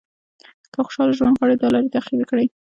که خوشاله ژوند غواړئ دا لارې تعقیب کړئ.